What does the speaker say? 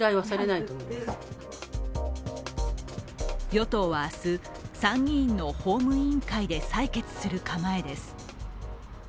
与党は明日、参議院の法務委員会で採決する構えです。